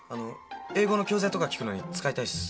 英語の教材とか聞くのに使いたいしさ。